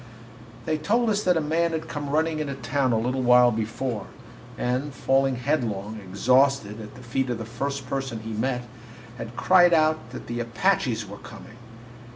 They told us that a man had come running into town a little while before, and, falling headlong, exhausted, at the feet of the first person he met, had cried out that the Apaches were coming.